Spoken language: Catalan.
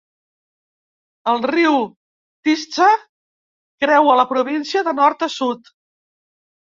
El riu Tisza creua la província de nord a sud.